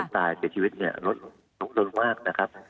ตายเสียชีวิตเนี่ยลดลงมากนะครับ